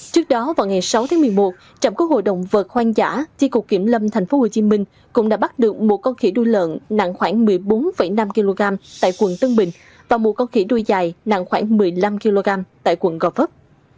trước đó vào ngày sáu tháng một mươi một trạm quốc hội động vật hoang dã chi cục kiểm lâm tp hcm cũng đã bắt được một con khỉ đuôi lợn nặng khoảng một mươi bốn năm kg tại quận tân bình và một con khỉ đuôi dài nặng khoảng một mươi năm kg tại quận gò vấp